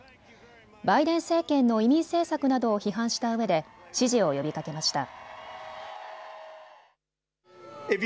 バイデン政権の移民政策などを批判したうえで支持を呼びかけました。